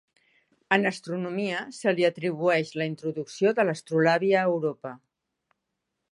En astronomia se li atribueix la introducció de l'astrolabi a Europa.